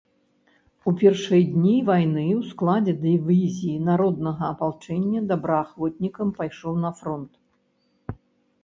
У першыя дні вайны ў складзе дывізіі народнага апалчэння добраахвотнікам пайшоў на фронт.